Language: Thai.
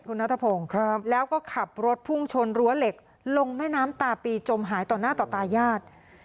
คุณนัทพงศ์แล้วก็ขับรถพุ่งชนรั้วเหล็กลงแม่น้ำตาปีจมหายต่อหน้าต่อตาญาติ